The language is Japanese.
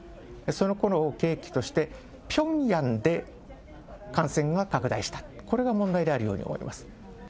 そのころを契機として、ピョンヤンで感染が拡大した、これが問題であるように思います。